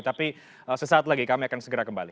tapi sesaat lagi kami akan segera kembali